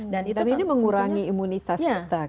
dan itu mengurangi imunitas kita